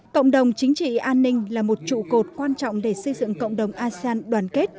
cộng đồng chính trị an ninh là một trụ cột quan trọng để xây dựng cộng đồng asean đoàn kết